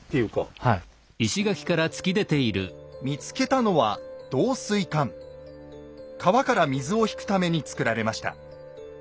見つけたのは川から水を引くために造られました。